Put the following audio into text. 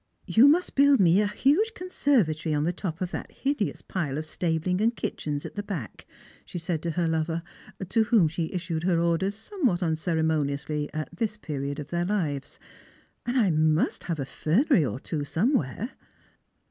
" You must build me a huge conservatory on the top of that hideous pile of stabling and kitchens at the back," she said to her lover, to whom she issued her orders somewhat unceremonji ously at tliis period of their lives ;" and I must have a fernery or two somewhere."